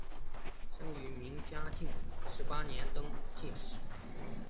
生于明嘉靖十八年登进士。